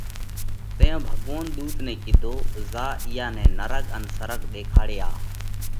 تئيون ڀڳوونَ ۮُوت نئہ ڪِيڌو: زا اِيئا نئہ نرڳ ان سرڳ ۮيکاڙي آوَ۔